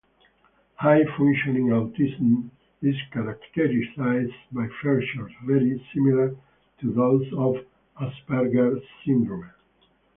High-functioning autism is characterized by features very similar to those of Asperger syndrome.